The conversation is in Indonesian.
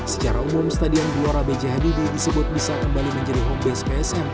secara umum stadion glora bghdb disebut bisa kembali menjadi home base psm